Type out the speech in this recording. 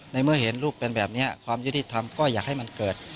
เมื่อเห็นลูกเป็นแบบนี้ความยุติธรรมก็อยากให้มันเกิด